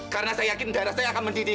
karena saya yakin darah saya akan mendidih